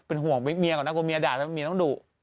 เป็นห่วงเมียก่อนนะกลัวเมียด่าแล้วเมียต้องดุ